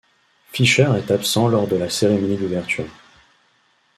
Fischer est absent lors de la cérémonie d'ouverture.